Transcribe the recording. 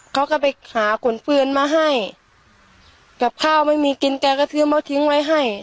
เขาก็ไปหาขนเฟือนมาให้กับข้าวไม่มีกินแกก็ซื้อมาทิ้งไว้ให้